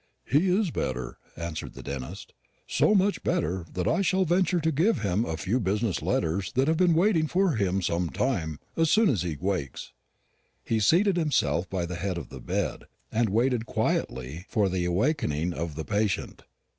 "He is better," answered the dentist; "so much better, that I shall venture to give him a few business letters that have been waiting for him some time, as soon as he wakes." He seated himself by the head of the bed, and waited quietly for the awakening of the patient.